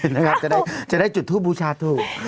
นะครับจะได้จุดทุบบูชาตุ